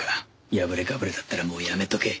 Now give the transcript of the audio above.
破れかぶれだったらもうやめとけ。